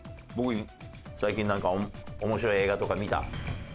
最近なんか面白い映画とか見た？